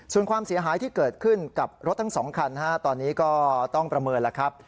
ส่วนความเสียหายที่เกิดขึ้นกับรถทั้ง๒คันตอนนี้ก็ต้องประเมินแล้วครับ